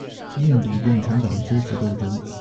印度共产党阶级斗争。